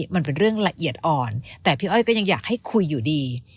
มันเป็นเรื่องละเอียดอ่อนแต่พี่อ้อยก็ยังอยากให้คุยอยู่ดี